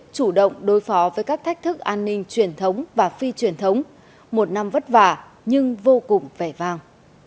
chủ động đối phó với các thách thức an ninh truyền thống và phi truyền thống một năm vất vả nhưng vô cùng vẻ vang